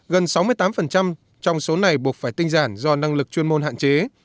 gần sáu mươi tám trong số này buộc phải tinh giản do năng lực chuyên môn hạn chế